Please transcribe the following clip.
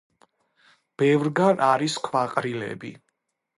ბევრგან არის ქვაყრილები.